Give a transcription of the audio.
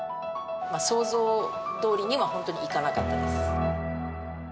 想像どおりには本当にいかなかったです。